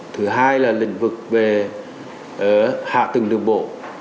thứ hai là lĩnh vực về hạ tầng đường bộ